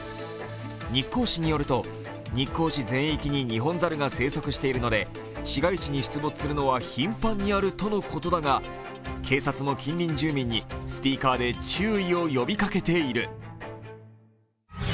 日光市によると、日光市全域にニホンザルが生息しているので市街地に出没するのは頻繁にあるとのことだが警察も近隣住民にスピーカーで注意を呼びかけている。